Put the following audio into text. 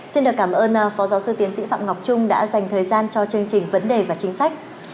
xin được cảm ơn phó giáo sư tiến sĩ phạm ngọc trung đã dành thời gian cho chương trình vấn đề và chính sách